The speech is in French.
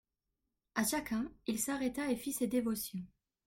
À chacun, il s'arrêta et fit ses dévotions.